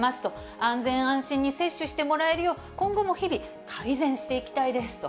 安全安心に接種してもらえるよう、今後も日々、改善していきたいですと。